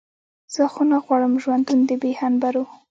زه خو نه غواړم ژوندون د بې هنبرو.